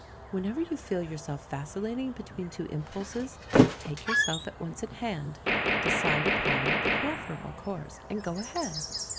Whenever you feel yourself vacillating between two impulses, take yourself at once in hand, decide upon the preferable course, and go ahead.